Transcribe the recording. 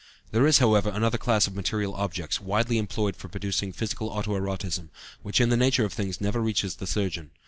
There is, however, another class of material objects, widely employed for producing physical auto erotism, which in the nature of things never reaches the surgeon.